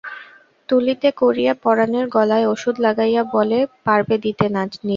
তুলিতে করিয়া পরানের গলায় ওষুধ লাগাইয়া বলে, পারবে দিতে নিজে?